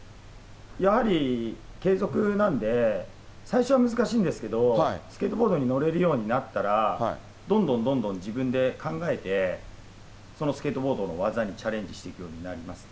やはり継続なんで、最初は難しいんですけど、スケートボードに乗れるようになったら、どんどんどんどん自分で考えて、そのスケートボードの技にチャレンジしていくようになりますね。